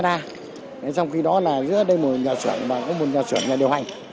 trong khi đó là giữa đây một nhà sửa và một nhà sửa nhà điều hành